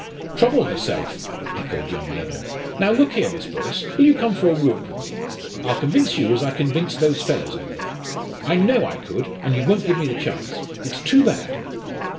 "Trouble herself!" echoed young Leven. "Now, look here Miss Boyce, will you come for a walk with me? I'll convince you, as I convinced those fellows over there. I know I could, and you won't give me the chance; it's too bad."